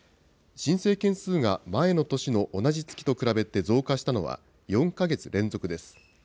申請件数が前の年の同じ月と比べて増加したのは、４か月連続です。